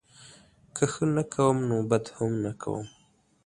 که ښه نه کوم نوبدهم نه کوم